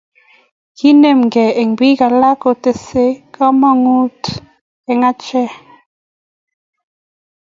Kenemkei eng bik alak kotesei kamanut eng achek